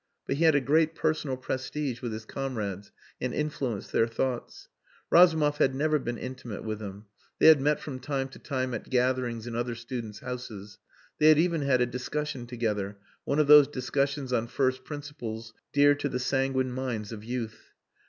But he had a great personal prestige with his comrades and influenced their thoughts. Razumov had never been intimate with him. They had met from time to time at gatherings in other students' houses. They had even had a discussion together one of those discussions on first principles dear to the sanguine minds of youth.